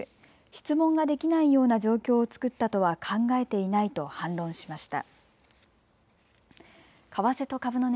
質問ができないような状況を作ったとは考えていないと反論しました。